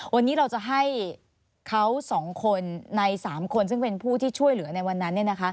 วันนี้เราจะให้เขา๒คนใน๓คนซึ่งเป็นผู้ที่ช่วยเหลือในวันนั้น